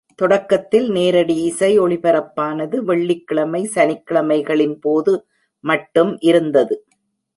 தொடக்கத்தில் நேரடி இசை ஒளிபரப்பானது வெள்ளிக்கிழமை, சனிக்கிழமைகளின்போது மட்டும் இருந்தது.